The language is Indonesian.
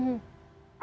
apakah nanti bentuknya